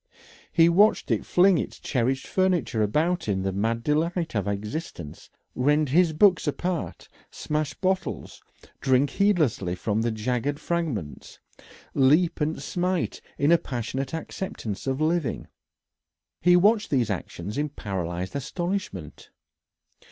He watched it fling his cherished furniture about in the mad delight of existence, rend his books apart, smash bottles, drink heedlessly from the jagged fragments, leap and smite in a passionate acceptance of living. He watched these actions in paralysed astonishment.